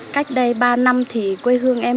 cách đây ba năm thì quê hương em